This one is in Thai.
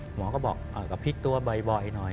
หมอก็บอกก็พลิกตัวบ่อยหน่อย